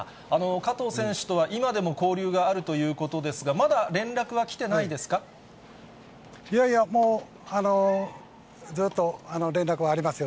加藤選手とは今でも交流があるということですが、まだ連絡は来ていやいや、ずっと連絡はありますよ。